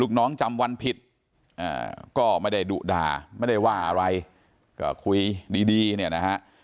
น้องจำวันผิดก็ไม่ได้ดุด่าไม่ได้ว่าอะไรก็คุยดีเนี่ยนะฮะ